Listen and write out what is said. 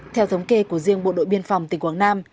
theo thống kê của riêng bộ đội biên phòng tỉnh quảng nam